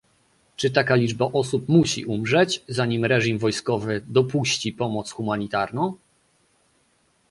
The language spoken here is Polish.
Czy taka liczba osób musi umrzeć, zanim reżim wojskowy dopuści pomoc humanitarną?